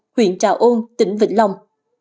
huyện trà ôn tỉnh vĩnh long